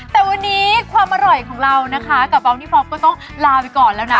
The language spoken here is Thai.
แต่วันนี้ความอร่อยของเรานะคะกับฟองนี่ฟอล์ก็ต้องลาไปก่อนแล้วนะ